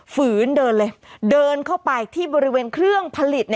ฝืนเดินเลยเดินเข้าไปที่บริเวณเครื่องผลิต